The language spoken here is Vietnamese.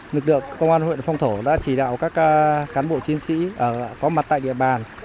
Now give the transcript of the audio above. lực lượng công an huyện phong thổ đã chỉ đạo các cán bộ chiến sĩ có mặt tại địa bàn